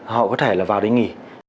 họ có thể là vào đây nghỉ